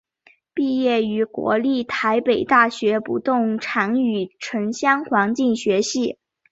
毕业于国立台北大学不动产与城乡环境学系。